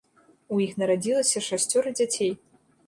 У іх нарадзілася шасцёра дзяцей.